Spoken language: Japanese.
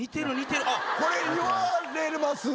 これ言われます？